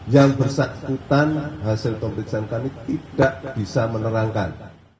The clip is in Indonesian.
yang bersangkutan hasil pemeriksaan kami tidak bisa menerangkan